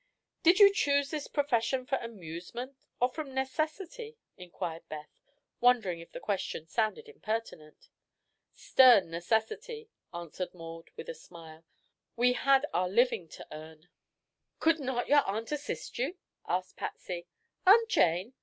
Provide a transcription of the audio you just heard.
"Did you choose, this profession for amusement, or from necessity?" inquired Beth, wondering if the question sounded impertinent. "Stern necessity," answered Maud with a smile. "We had our living to earn." "Could not your aunt assist you?" asked Patsy. "Aunt Jane?